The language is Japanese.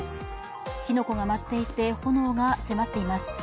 火の粉が舞っていて炎が迫っています。